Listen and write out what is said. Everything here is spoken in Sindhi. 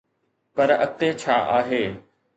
پر اڳتي ڇا آهي؟